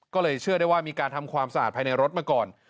ก็เลยเชื่อได้ว่ามีการทำความสะอาดภายในรถมาก่อน